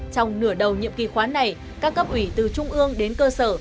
trong nửa đầu nhiệm kỳ khóa này các cấp ủy từ trung ương đến cơ sở